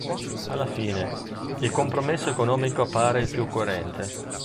Alla fine, il compromesso economico appare il più coerente.